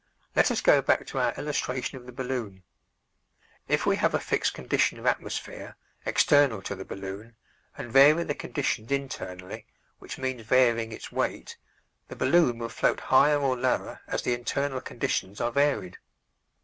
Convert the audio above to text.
Let us go back to our illustration of the balloon. If we have a fixed condition of atmosphere, external to the balloon, and vary the conditions internally, which means varying its weight, the balloon will float higher or lower as the internal conditions are varied.